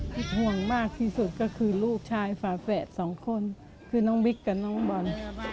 ห่วงมากที่สุดก็คือลูกชายฝาแฝดสองคนคือน้องบิ๊กกับน้องบอล